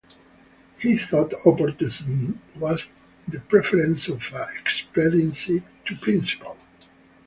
He thought opportunism was the preference of expediency to principle.